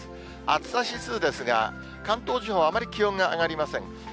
暑さ指数ですが、関東地方、あまり気温が上がりません。